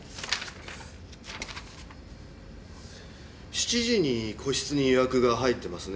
７時に個室に予約が入ってますね。